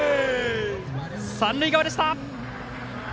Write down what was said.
三塁側でした！